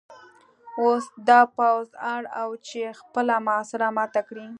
اوس دا پوځ اړ و چې خپله محاصره ماته کړي